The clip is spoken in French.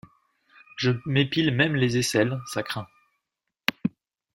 Je m’épile même les aisselles, ça craint...